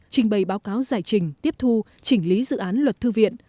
trình bày báo cáo giải trình tiếp thu chỉnh lý dự án luật thư viện